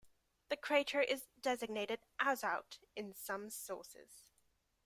This crater is designated 'Azout' in some sources.